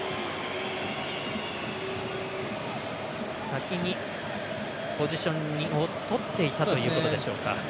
先にポジションをとっていたということでしょうか。